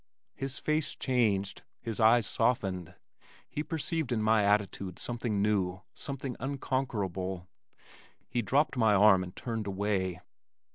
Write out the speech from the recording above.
His face changed. His eyes softened. He perceived in my attitude something new, something unconquerable. He dropped my arm and turned away.